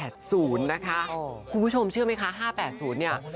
คุณผู้ชมเชื่อไหมคะ๕๘๐เนี่ย